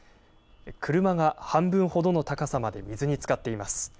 車が半分ほどの高さまで水につかっています。